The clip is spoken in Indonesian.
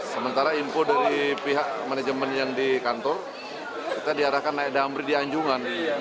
sementara info dari pihak manajemen yang di kantor kita diarahkan naik damri di anjungan